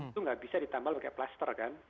itu nggak bisa ditambah pakai plaster kan